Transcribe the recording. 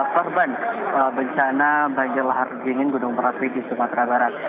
korban bencana banjir lahar dingin gunung merapi di sumatera barat